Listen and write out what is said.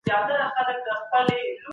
په عام محضر کې پر ځمکه مه توکوئ.